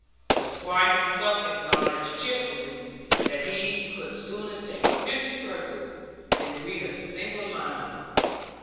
The Squire himself acknowledged cheerfully that he could sooner take fifty purses than read a single line of it.